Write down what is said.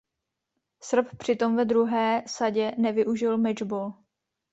Srb přitom ve druhé sadě nevyužil mečbol.